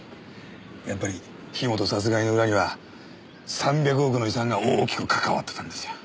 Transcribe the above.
やっぱり樋本殺害の裏には３００億の遺産が大きくかかわってたんですよ。